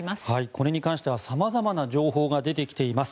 これに関してはさまざまな情報が出てきています。